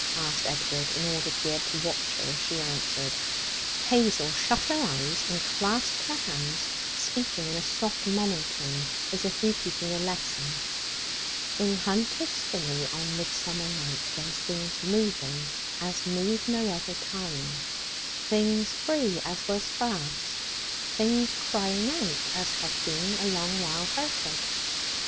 asked Edward, in order to be able to watch her as she answered. Hazel shut her eyes and clasped her hands, speaking in a soft monotone as if repeating a lesson. 'In Hunter's Spinney on midsummer night there's things moving as move no other time; things free as was fast; things crying out as have been a long while hurted.'